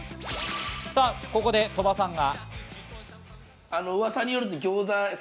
ここで鳥羽さんが。